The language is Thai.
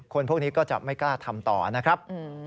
พวกนี้ก็จะไม่กล้าทำต่อนะครับ